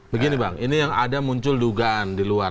begini bang ini yang ada muncul dugaan di luar